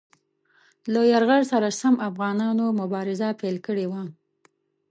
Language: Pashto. له یرغل سره سم افغانانو مبارزه پیل کړې وه.